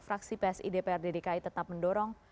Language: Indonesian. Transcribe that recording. fraksi psi dprd dki tetap mendorong